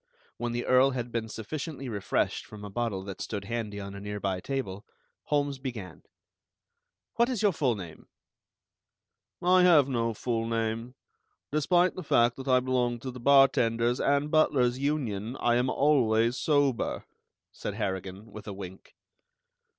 When the Earl had been sufficiently refreshed from a bottle that stood handy on a nearby table, Holmes began: "What is your full name?" "I have no full name. Despite the fact that I belong to the Bartenders' and Butlers' Union, I am always sober," said Harrigan, with a wink.